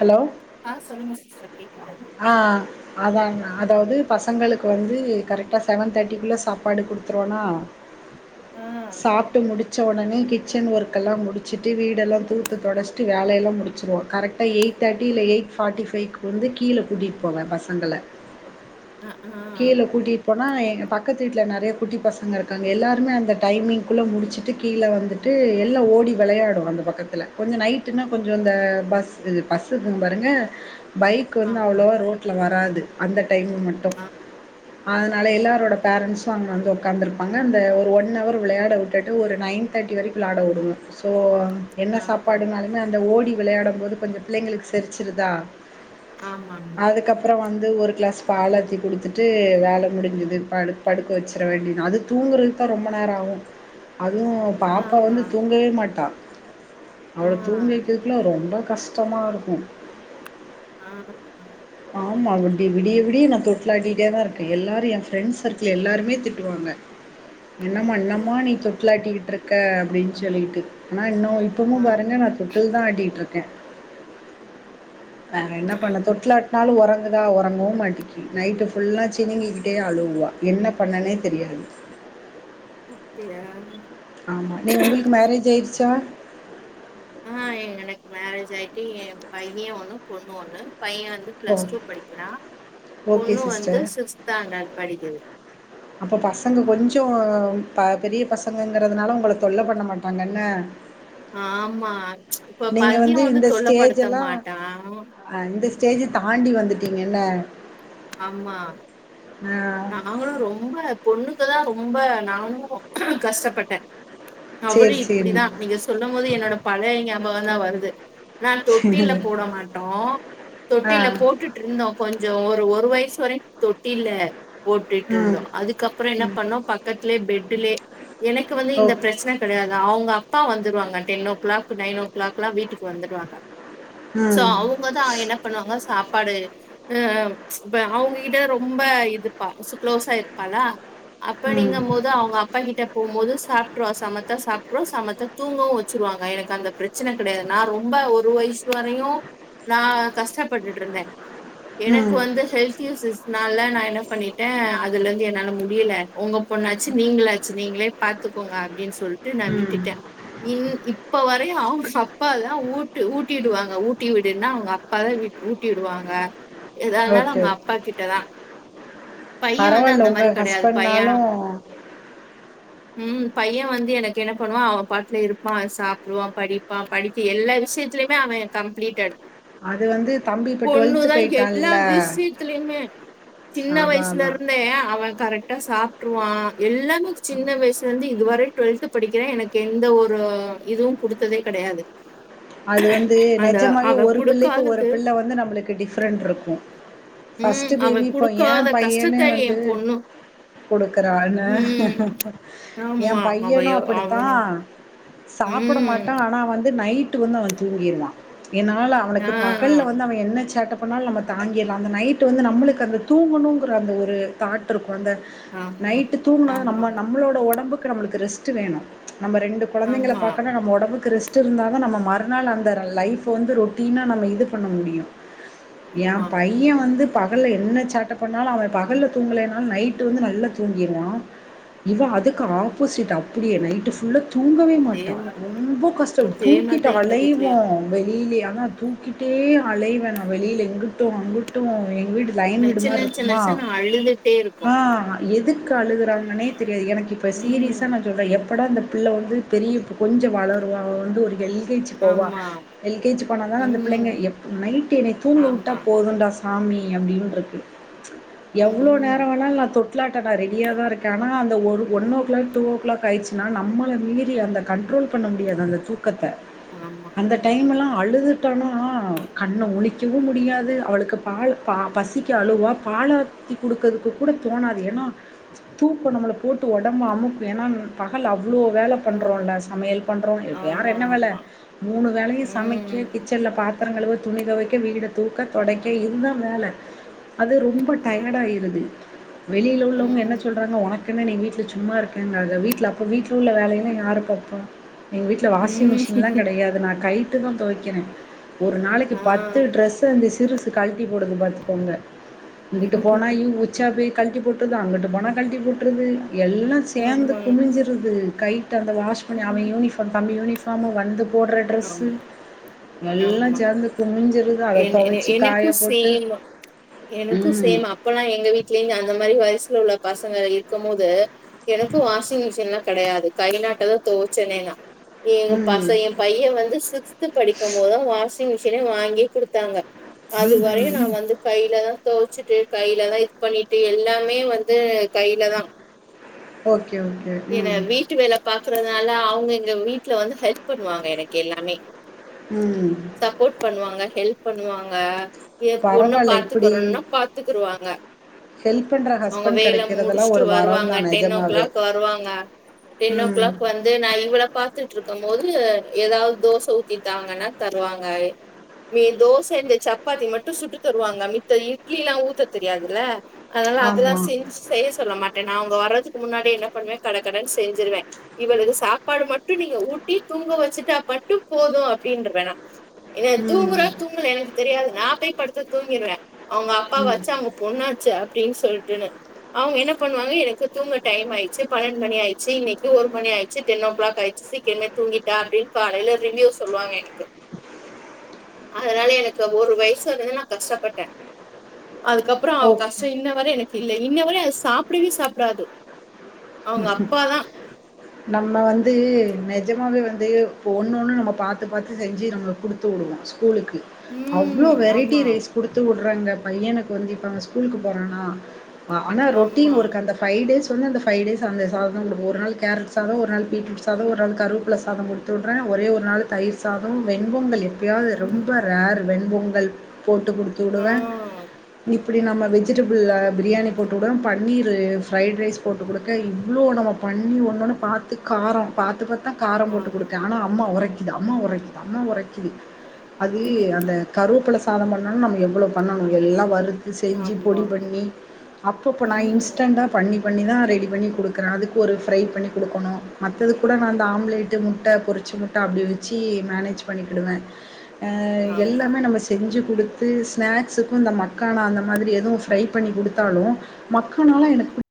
Hello ஆ சொல்லுங்க sister கேக்குது அதான்ங் அதாவ்து பசங்களுக்கு வந்து கரெட்டா செவன் தேட்டிக்குள்ள சாப்பாடு குடுத்துருவனா ஆ சாப்ட்டு முடிச்ச உடனே கிச்சன் ஒர்க்கெல்லா முடிச்சிட்டு வீடெல்லா தூத்து தொடஷ்ட்டு வேல எல்லா முடிச்சிருவோ கரெக் டா எயிட் தேட்டி இல்ல எயிட் ஃபாட்டி ஃபைக்கு வந்து கீழ கூட்டிட் போவே பசங்கள அ ஆ கீழ கூட்டிட் போனா எங்க பக் பக்கத்து வீட்ல நெறைய குட்டி பசங்க இருக்காங்க எல்லாருமே அந்த டைமிங்குள்ள முடிச்சுட்டு கீழ வந்துட்டு எல்லா ஓடி ஓடி வெளையாடு அந்த பக்கத்துல கொஞ்சோ நைட்டுன்னா கொஞ்சோ இந்த பஸ்சு பஸ் இக்கு பாருங்க பைக் வந்து ஆமா அவ்ளோவா ரோட்ல வராது அந்த டைமு மட்டு ஆ அதனால எல்லாரோட பேரன்ஸ்சு அங்க வந்து உட்காந்துருப்பாங்க அந்த ஒரு ஒன் ஹவர் வெளையாட விட்டுட்டு ஒரு நைன் தேர்ட்டி வரைக்கு வெளாட விடுங்க சோ என்ன ஆ சாப்பாடுனாலுமே அந்த ஓடி விளையாடும் போது கொஞ்சோ பிள்ளைங்களுக்கு செரிச்சுருதா ஆமாமா அதுக்கப்றோ வந்து ஒரு கிளாஸ் பால் ஆத்தி குடுத்து குடுத்துட்டு வேல முடிஞ்சுது படுக் படுக்க வெச்சர வேண்டிதா அது தூங்குறதுக்கு தா ரொம்ப நேரோ ஆகு அது ஆ பாப்பா வந்து தூங்கவே மாட்டா ஆ அவள தூங்க வைக்கறதுகுல்ல ரொம்போ கஷ்டமா இருக்கு அ ஆமா விடிய விடிய நா தொட்டிலாட்டிகிட்டே தா இருக்கே எல்லாரு ஏ ஃப்ரெண்ட்ஸ் சர்க்கிள் எல்லாருமே திட்டுவாங்க என்னம்மா அப்டியா இன்னும்மா நீ தொட்டுலாட்டிக்கிட்டு இருக்க அப்டின்னு சொல்லிட்டு ஆனா இன்னு இப்பமு ஆ பாருங்க நா தொட்டில் தா ஆட்டிகிட்டு இருக்க வேற என்ன பண்ண தொட்டால் ட்டாலு ஒறங்குதா ஒறங்கவே மாட்டேக்கு நைட்டு ஃபுல்லா சினிங்கி கிட்டே அழுவுவா என்ன பண்ணேனே தெரியாது அப்டியா ஆமா நீ உங்ளுக்கு மேரேஜ் ஆயிருச்சா அ எனக்கு மேரேஜ் ஆயிட்டு ஏ பைய ஒண்ணு பொண்ணு ஒண்ணு பைய வந்து ஓ பிளஸ் டூ படிக்கிறா ஓகே பொண்ணு வந்து சிஸ்டர் சிக்ஸ்த் ஸ்டாண்டர்ட் படிக்குது அப்ப பசங்க கொஞ்சோ கொஞ்சோ பெரிய பசங்கங்கறதுனால உங்கள தொல்ல பண்ண மாட்டாங்கண்ணே ஆமா இப்ப பைய வந்து தொல்ல படுத்த மாட்டா ஸ்டேஜ்ஜ தாண்டி வந்துட்டீங்கள்ல ஆமா நாங்களு ரொம்ப பொண்ணுக்குதா ரொம்ப நானு கஷ்டப்பட்டே அவளு சரி சரி இப்பிடிதா நீங்க சொல்லு போது என்னோட பழைய ஞாபகோ தா வருது நா தொட்டில்ல போட மாட்டோ ஆ தொட்டில்ல போட்டுட்டுருந்தோ கொஞ்சோ ஒரு வயசு வரையு தொட்டில்ல போட்டுட்டு இருந்தோ ம் அதுக்கப்றோ என்ன பண்ணோ பக்கத்திலயே பெட் பெட்டிலே எனக்கு வந்து ஓ இந்த பிரச்சன கெடையாது அவுங்க அப் அப்பா வந்துருவாங்க டென் ஓ க்ளாக் நைன் ஓ க்ளாக்லா வீட்டுக்கு வந்துருவாங்க சோ ம் அவுங்கதா என்ன பண்ணுவாங்க சாப்பாடு அ இப்ப அவுங்ககிட்ட ரொம்ப இதுப்பா க்ளோஸா இருப்பாளா ம் அப்டிங்கும் போது அவங்க அப்பா கிட்ட போம் போது சாப்ட்ருவா சமத்தா சாப்ட்ரு சமத்தா தூங்கவு வெச்சுருவாங்க எனக்கு அந்த பிரச்சன கெடயாது நா ரொம்ப ஒரு வ வயசு வரையு நா கஷ்டப்பட்டுட்டு இருந்தே எனக்கு ம் வந்து ஹெல்த் இஸ்யூஸ் னால நா என்ன பண்ணிட்டே அதுல இருந்து என்னால முடியல உங்க பொண்ணாச்சு நீங்களாச்சு நீங்களே பாத்து பாத்துக்கோங்க அப்டின்னு சொல்ட்டு நா ம் விட்டுட்டே இப்ப வரையு அவங்க அப்பா தா ஊட்டு ஊட்டிவிடுவாங்க ஊட்டி விடுன்னா அவங்க அப்பா தா ஊட்டி விடு வாங்க எதாருந்தாலு ஓகே அவுங்க ஓகே அப்பா கிட்டதா பைய வந்து பரவால்ல அந்த உங்க மாரி கெடயாது பைய ஹஸ்பண்ட்னாலும் ம் பைய வந்து எனக்கு என்ன பண்ணுவா அவ பாட்ல இருப்பா சாப்டுவா படிப்பா படிக்க எல்லா விஷயத் திலயுமே அவே கம்ப்ளீட்டேட் அது வந்து தம்பி இப்ப டூவெல்த் போய்ட்டால்ல எல்லா விஷியத்துலயுமே சின்ன அதா வயசு அதா இருந்தே அவே கரெக்டா சாப்ட்ருவா எல்லாமே சின்ன வயசுலந்து இதுவரயு டூவெல்த் படிக்கிறா எனக்கு எந்த ஒரு இதுவு குடுத்ததே கெடயாது அது வந்து நெஜமாவே ஒரு பிள்ளைக்கு ஒரு குடுக்காதது பிள்ள வந்து நம்மளுக்கு டிஃப்ரெண்ட்ரு இருக்கு ம். ஃபர்ஸ்ட்டு அவன் பேபி ஏ குடுக்காத கஷ்டத்த பையனே வந்து என் பொண்ணு குடுக்குறானா ம். ஏ ஆமா. அவ பையனு எ அப்புடித்தா அவன் சாப்புட ம். மாட்டா ஆனா வந்து நைட் டு வந்து அவெ தூங்கிருவா என்னால ஆ. அவனுக்கு பகல்ல வந்து அவெ என்ன சேட்டப் பண்ணாலு நம்ம தாங்கில்லா அந்த நைட்டு வந்து நம்மளுக்கு அந்த தூங்கணுங்குற அந்த ஒரு தாட் இருக்கு அந்த ஆமா. நைட்டு தூங்குனா தா ஆமா. நம்ம நம்மளோட ஒடம்புக்கு நம்மளுக்கு ரெஸ்ட்டு வேணு நம்ம ரெண்டு கொழந்தைகள ஆமா. பாக்கணு நம்ம ஒடம்புக்கு ரெஸ்ட் இருந்தா தா நம்ம மறுநாள் அந்த லைஃப்வ வந்து ரொட்டீனா நம்ம இது பண்ண முடியு ஏ ஆமா. பையே வந்து பகல்ல என்ன சேட்ட பண்ணாலு அவே பகல்ல தூங்கலேனாலு நைட்டு வந்து நல்லா தூங்கிருவா இவ அதுக்கு ஆப்போசிட் அப்டியே நைட்டு ஃபுல்லா தூங்கவே மாட்டா அதேமாரிதான். ரொம்ப கஷ்டோ தூக்கிட்டு அதேமாரிதான் எங்க அலைவோ வீட்லயும். வெளிலே ஆனா தூக்கிட்டே அலைவே நா வெளில இங்குட்டு அங்குட்டு எங் வீடு லைன் வீடு நச்ச நச்ச மார்ருக்குமா நச்சன்னு அழுதுட்டே ஆ இருக்கும். எதுக் எதுக்கு அழுகுறாங்கனே தெரியாது எனக்கு இப்ப ம். சீரியஸா நா சொல்றே எப் எப்படா இந்த புள்ள வந்து பெரிய கொஞ்சோ வளருவா அவ வந்து ஒரு எல் கே ஜி போவா ஆமா. எல் கே ஜி போனா தான அந்த ம். புள்ளைங்க எப் நைட்டு என்ன தூங்க வுட்டா ஆமா. போதுன்டா சா சாமி அப்டின்ருக்கு எவ்ளோ ம் நேரோ வேணாலு நா தொட்லாட் ட்டா நா ரெடியா தா இருக்கே ஆனா அந்த ஒரு one o'clock two o'clock ஆய்டுச்சுன்னா நம்மள மீறி அந்த கண்ட்ரோல் ரோல் பண்ண முடியாது அந்த தூக்கத்த ஆமா அந்த டைம்லா அழுதுட்டோனா கண்ண முழிக்கவு முடியாது அவளுக்கு பால் கா பசிக்கு அழுவுவா பாலு ஆத்தி குடுக்குறதுக்கு கூட தோணாது எஏன்னா தூக்கோ நம்ம போட்டு ஒடம்ப அமுக்கு ஏனா பகல்ல அவ் இவ்ளோ வேல ஆமா பண்றோல சமையல் பண்றோ வேற ஆமா என்ன வேல ஆமா மூணு வேலையு ம் சமைக்க கிட்சன்ல பாத் பாத்தரங்கலுவ துணி தொவைக்க வீட தூக்க தொடைக்க இது தா வேல அது ரொம்ப ஆமா டயடாயிறுது வெளில உள்ளவங்க என்ன ம் சொல்றாங்க உனக்கு என்ன நீ வீட்ல ட்ல சும்மா இருக்கன்றாக வீட்ல அப்ப வீட்ல உள்ள வேலையெல்லா யாரு பாப்பா எங்க வீட்ல வாஷிங் ம் மிஷின்லா நா கைட்டுதா தொவைக்கிறே ஒரு நாளைக்கு ஆ பத்து ட்ரெஸ்சு அந்த சிறுசு கல்டி போடுது பாத்துக்கோங்க இங்கிட்டு போனா இவுங்க உச்சா போய் கல்ட்டி போட்ருது அங்குட்டு போனா கல்ட்டி போட்ருது எல்லா சேந்து ஆமா குமிஞ்சிருது கை விட்டு அந்த வாஷ் பண்ணி அவ ம் யூனிஃபார்ம் தம்பி யூனிஃபார்மு வந்து போட்ற ட்ரெஸ்ஸு ஆமா எல்லா ஆமா சேந்து குமிஞ்சிருது அத என் என தொவச்சு காய எனக்கு போட்டு சேம் எனக்கு ம். சேம் அப்பல்லா எங்க வீட்லயு அந்த மாரி வயஸ் ஸ்ல உள்ள பசங்க இருக்கும்போது எனக்கு வாஷிங் மிஷின்ல கெடையாது கை நாட்டதா தொவச்சனே நா எங்க ம். பசையே பையே வந்து சிக்ஸ்த்து படிக்கும் போது தா வாஷிங் மிஷினே வாங்கி குடுத்தாங்க அது வரையு ம். நா வந்து கைலதா தொவச்சுட்டு கைலதா இது பண்ணிட்டு எல்லாமே வந்து கைலதா ஓகே ஓகே. என்ன ம். வீட்டு வேல பாக்குறதுனால அவுங்க எங்க வீட்ல வந்து ஹெல்ப் பண்ணுவாங்க எனக்கெல்லாமே ம். சப்போர்ட் பண்ணுவாங்க ஹெல்ப் பண்ணுவாங்க ஏ பொண்ண பரவால்ல இப்பிடி பாத்துக்கறோன்னா பாத்துக்கிருவாங்க ஹெல்ப் பண்ற அவுங்க ஹஸ்பண்ட் வேல கெடைக்கிறதெல்லா முடுச்ட்டு ஒரு வரந்தா வருவாங்க டென் ஓ நெஜமாவே க்ளாக் வருவாங் க டென் ஓ ம் க்ளாக் வந்து நா இவ்ள பாத்துட்ருக்கம் போது து எதாவது தோச ஊத்தி தாங்கனா தருவாங்க மே தோச இந்த சப்பாத்தி மட்டு சுட்டு தருவாங்க மித்த இட்லிலா ஊத்த தெரியாதுல்ல அதனால அதெல்லா ஆமா செஞ்சு செய்ய சொல்ல மாட்ட நா அவுங்க வர்றதுக்கு முன்னாடி என்ன பண்ணுவே கடக்கடன் செஞ்சிருவே இவளுக்கு சாப்பாடு மட்டு நீங்க ஊட்டி தூங்க வச்சுட்டா பட்டும் போது அப்டின்றுவே நா என்ன தூங்குறா ம் தூங்குல எனக்கு தெரியாது நா போய் படுத்து தூங்கிறுவே அவுங்க ம் அப்பாவாச்சு அவுங்க பொண்ணாச்சு அப்டின் சொல்ட்டுனு அவுங்க என்ன பண்ணுவாங்க எனக்கு தூங்க டைமாயிச்சி பன்னெண்ட் மணி ஆயிச்சி இன்னைக்கு ஒரு மணி ஆயிச்சி டென்னோ கிளாக் ஆயிச்சி சீக்கிர்மே தூங்கிட்டா அப்டின் காலைல ரிவ்யூ சொல் வாங்க எனக்கு அதுனால எனக்கு ஒரு வயசாகவே நா கஷ்டப்பட்டே அதுக்கப்றோ அவ ஓ கஷ்டோ இன்ன வர எனக்கில்ல இன்ன வர அது சாப்டவே சாப்டாது அவங்க அப்பாதா நம்ம வந்து நெஜமாவே வந் து ஒன்னொன்னு நம்ம பாத்து பாத்து செஞ்சி நம்ம குடுத்து உடுவோ ஸ்கூலுக்கு அவ்ளோ ம் வெரைட்டி ஆமா ரைஸ் குடுத்து உட் கற அந்த பையனுக்கு வந்து இப்ப அவ ஸ்கூலுக்கு போறானா அ ஆனா ரொட்டீன் ஆமா ஒர்க் அந்த ஃபை டேஸ் ஃபை டேஸ் அந்த சாதோ குடுப்ப ஒரு நாள் கேரட் சாதோ, ஒரு நாள் பீட்ரூட் சாதோ, ஒரு நாள் கருவேப்ல சாதோ குடுத் உட்றே ஒரே ஒரு நாளு தயிர் சாதோ வெண்பொங்கலு எப்பயாவ்து ம் ரொம்ப ரேர் வெண்பொங்கல் போட்டுக் குடுத்து ஆ உடுவே இப் இப்டி நம்ம வெஜிடபிள்ல பிரியாணி போட்டுடுவே பன்னீரு ஃப்ரைட் ரைஸ் போட்டு குடுக்க இவ்ளோ நம்ம பண்ணி ஒன்னொன்னு பாத்து காரோ பாத்து பாத்து தா காரம் போட்டு ஆமா குடுக்கே ஆனா அம்மா ஒரைக்கிது அம்மா ஒரைக்கிது அம்மா ஒரைக்கிது அது அந்த கருவேப்ல சாதோ பண்ணுன் நம்ம எவ்ளோ பண்ணனு எல்லா வறுத் இது செஞ்சி ஆமா பொடி பண்ணி அப்பப்போ நா ம் இன்ஸ்டண்டா பண்ணி பண்ணி தா ரெடி பண்ணி குடுக்கற அதுக்கு ஒரு ஃப்ரை பண்ணி குடுக்கணு மத்ததுக்கூட நா அந்த ஆம்லேட்டு, முட்ட பொரி ச்ச முட்ட அப்டி வெச்சி மேனேஜ் பண்ணிகிடுவே ஆ ஆமா எல்லாமே நம்ம செஞ்சி குடுத்து ஸ்நாக்ஸுக்கு இந்த மக்கானா அந்த மாதிரி எதுவு ஃப்ரை பண்ணி குடுத்தாலு மக்கானாலா எனக்கு பி